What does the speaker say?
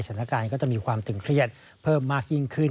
สถานการณ์ก็จะมีความตึงเครียดเพิ่มมากยิ่งขึ้น